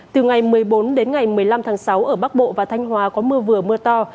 từ ngày một mươi bốn đến ngày một mươi năm tháng sáu ở bắc bộ và thanh hóa có mưa vừa mưa to